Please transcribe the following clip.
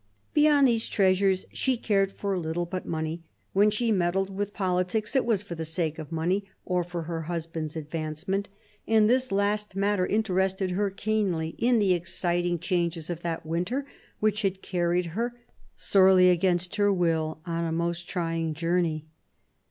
Beyond these treasures, she cared for little but money: when she meddled with politics, it was for the sake of money, or for her husband's advancement ; and this last matter interested her keenly in the exciting changes of that winter, which had carried her, sorely against her will, on a most trying journey.